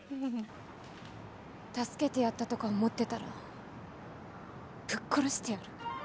助けてやったとか思ってたらぶっ殺してやる。